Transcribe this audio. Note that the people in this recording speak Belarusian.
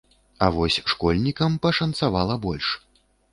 А вось школьнікам пашанцавала больш.